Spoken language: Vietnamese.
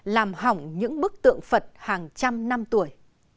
làm hỏng những bức tượng phật hàng trăm năm tuổi